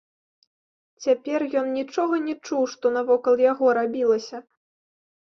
Цяпер ён нічога не чуў, што навокал яго рабілася.